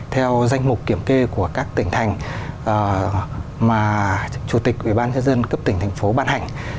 theo danh mục kiểm kê của các tỉnh thành mà chủ tịch ủy ban nhân dân cấp tỉnh thành phố ban hành